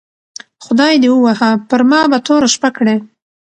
خدای دي ووهه پر ما به توره شپه کړې